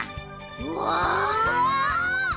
うわ！